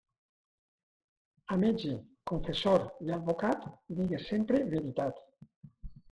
A metge, confessor i advocat, digues sempre veritat.